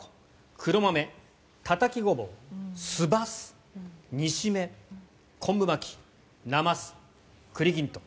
黒豆、たたきゴボウ酢ばす、煮しめ昆布巻き、なます、栗きんとん。